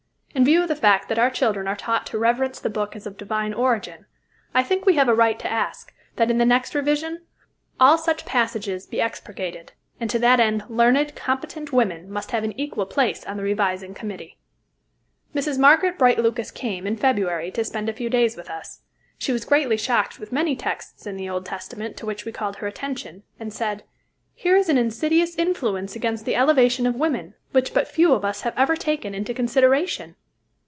In view of the fact that our children are taught to reverence the book as of divine origin, I think we have a right to ask that, in the next revision, all such passages be expurgated, and to that end learned, competent women must have an equal place on the revising committee. Mrs. Margaret Bright Lucas came, in February, to spend a few days with us. She was greatly shocked with many texts in the Old Testament, to which we called her attention, and said: "Here is an insidious influence against the elevation of women, which but few of us have ever taken into consideration."